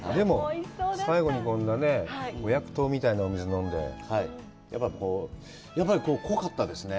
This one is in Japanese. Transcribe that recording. でも、お薬薬みたいなお水飲んで、やっぱり濃かったですね。